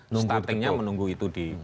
startingnya menunggu itu